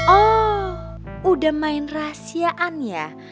oh udah main rahasiaan ya